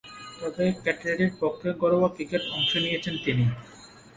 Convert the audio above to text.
তবে, ক্যান্টারবারির পক্ষে ঘরোয়া ক্রিকেটে অংশ নিয়েছেন তিনি।